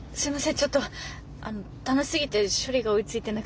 ちょっと楽しすぎて処理が追いついてなくて。